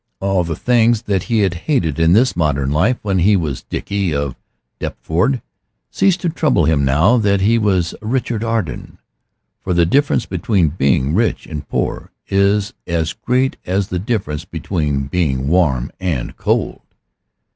All the things that he had hated in this modern life, when he was Dickie of Deptford, ceased to trouble him now that he was Richard Arden. For the difference between being rich and poor is as great as the difference between being warm and cold.